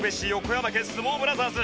山家相撲ブラザーズ。